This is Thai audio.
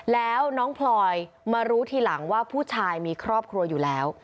แล้วน้องพลอยมารู้ทีหลังว่าผู้ชายมีครอบครัวอยู่แล้ว